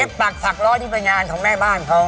เย็บปากถักร้อยนี่เป็นงานของแม่บ้านเขา